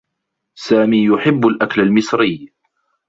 سامي يحبّ الأكل المصري.